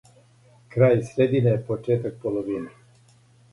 крај средине је почетак половине